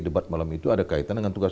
debat malam itu ada kaitan dengan tugas